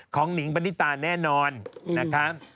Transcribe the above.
ของนิ่งปนิตาแน่นอนนะคะ